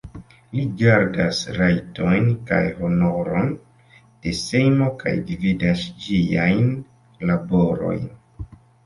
Li gardas rajtojn kaj honoron de Sejmo kaj gvidas ĝiajn laborojn.